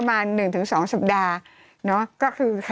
จำกัดจำนวนได้ไม่เกิน๕๐๐คนนะคะ